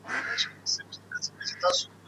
طبیعت د انسان پر روح ډېر ښه اغېز کوي.